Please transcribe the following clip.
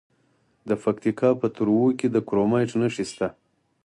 د پکتیکا په تروو کې د کرومایټ نښې شته.